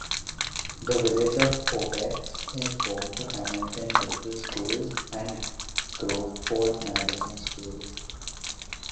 The Village of Obetz is home to Hamilton Local Schools and Groveport Madison Schools.